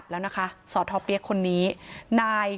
พ่อของสทเปี๊ยกบอกว่า